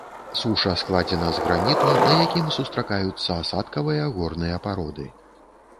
Суша складзена з граніту, на якім сустракаюцца асадкавыя горныя пароды.